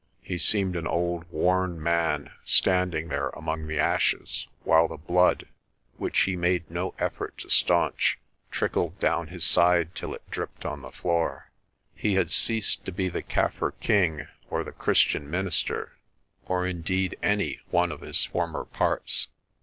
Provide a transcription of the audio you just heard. He seemed an old worn man standing there among the ashes, while the blood, which he made no effort to staunch, trickled down his side till it dripped on the floor. He had ceased to be the Kaffir king or the Christian minister or indeed any one of his former parts.